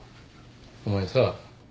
お前さ